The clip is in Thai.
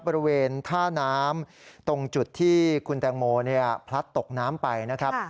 บริเวณท่าน้ำตรงจุดที่คุณแตงโมพลัดตกน้ำไปนะครับ